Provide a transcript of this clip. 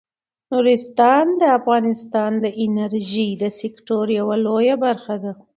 نورستان د افغانستان د انرژۍ د سکتور یوه لویه برخه ده.